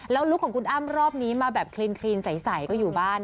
แล้วลุคของคุณอ้ำรอบนี้มาแบบคลีนใสก็อยู่บ้าน